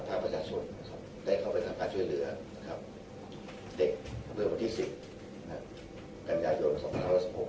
ภาคประชาชนได้เข้าไปทำการช่วยเหลือเด็กเวลาวันที่๑๐กันยายน๒๐๑๖